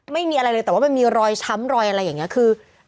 ไม่มีอะไรเลยแต่ว่ามันมีรอยช้ำรอยอะไรอย่างนี้คือ